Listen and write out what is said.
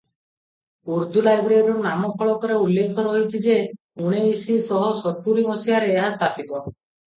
ଉର୍ଦ୍ଦୁ ଲାଇବ୍ରେରୀର ନାମଫଳକରେ ଉଲ୍ଲେଖ ରହିଛି ଯେ ଉଣେଇଶ ଶହ ସତୁରୀ ମସିହାରେ ଏହା ସ୍ଥାପିତ ।